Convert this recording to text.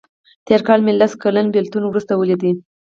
تېر کال مې له لس کلن بیلتون وروسته ولیده.